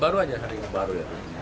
dulu aja hari ini baru ya